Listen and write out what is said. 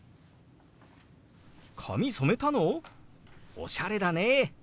おしゃれだね」。